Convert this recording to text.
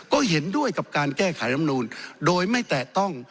ก็เห็นด้วยกับการแก้ไขรำนูนโดยไม่แตะต้อง